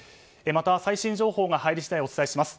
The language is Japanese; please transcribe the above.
また最新情報が入り次第お伝えします。